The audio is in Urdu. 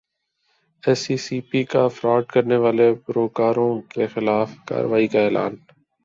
ایس ای سی پی کا فراڈ کرنیوالے بروکروں کیخلاف کارروائی کا اعلان